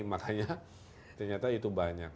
makanya ternyata itu banyak